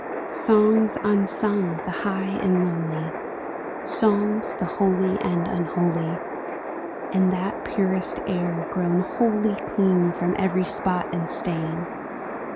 Songs unsung, the high and lowly, Songs, the holy and unholy, In that purest air grown wholly Clean from every spot and stain